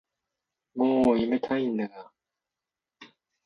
もうやめたいんだが